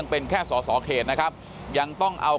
โปรดติดตามต่อไป